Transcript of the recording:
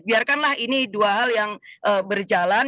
biarkanlah ini dua hal yang berjalan